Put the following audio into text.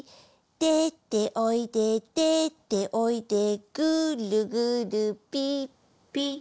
「でておいででておいでぐるぐるぴっぴ」